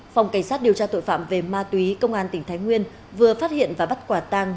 phòng cảnh sát điều tra tội phạm về ma túy công an tỉnh thái nguyên vừa phát hiện và bắt quả tang